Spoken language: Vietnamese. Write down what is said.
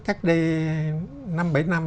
cách đây năm bảy năm